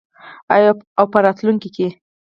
او په راتلونکي کې.